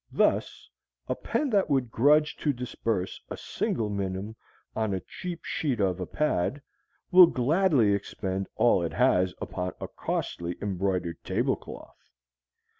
Thus, a pen that would grudge to disburse a single minim on a cheap sheet of a pad, will gladly expend all it has upon a costly embroidered tablecloth.